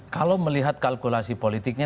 kalau melihat kalkulasi politiknya